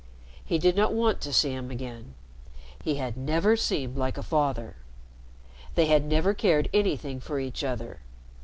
He did not want to see him again. He had never seemed like a father. They had never cared anything for each other.